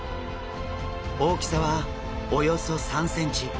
大きさはおよそ３ｃｍ。